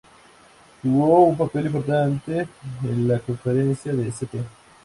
Jugó un papel importante en la Conferencia de St.